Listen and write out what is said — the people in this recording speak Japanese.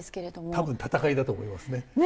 多分戦いだと思いますね。